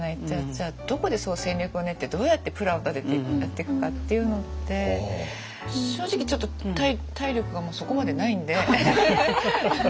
じゃあどこで戦略を練ってどうやってプランを立ててやっていくかっていうのって正直ちょっと体力がもうそこまでないんで。